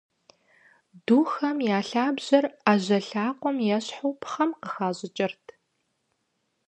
Духэм я лъабжьэхэр ӏэжьэ лъакъуэм ещхьу пхъэм къыхащӏыкӏырт.